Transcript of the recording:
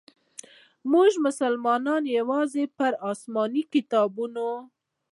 موږ مسلمانانو یوازي پر اسماني کتابونو.